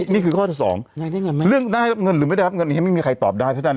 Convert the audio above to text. นี้คือก็ที่๒เรื่องน้านนายรับหลับเนี้ยไม่ได้รับเนี้ยมีใครตอบได้